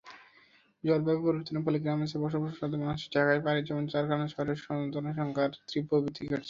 জলবায়ু পরিবর্তনের ফলে গ্রামাঞ্চলে বসবাসরত মানুষ ঢাকার পাড়ি জমান, যার কারণে শহরে বস্তি জনসংখ্যার তীব্র বৃদ্ধির ঘটছে।